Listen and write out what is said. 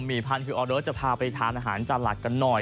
หมี่พันคือออเดอร์จะพาไปทานอาหารจัดหลักกันหน่อย